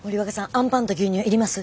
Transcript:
アンパンと牛乳いります？